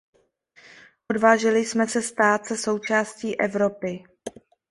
Odvážili jsme se stát se součástí Evropy.